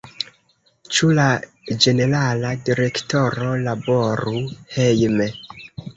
Ĉu la Ĝenerala Direktoro laboru hejme?